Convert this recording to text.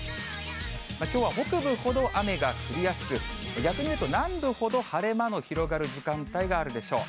きょうは北部ほど雨が降りやすく、逆に言うと、南部ほど晴れ間の広がる時間帯があるでしょう。